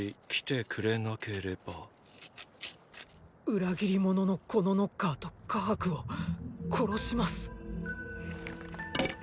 裏切り者のこのノッカーとカハクを殺します！